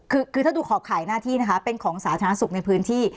คือคือถ้าดูขอบขายหน้าที่นะคะเป็นของสาธารณสุขในพื้นที่